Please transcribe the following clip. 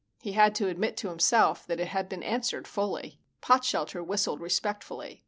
He had to admit to himself that it had been answered fully. Potshelter whistled respectfully.